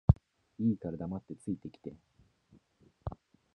いいから黙って着いて来て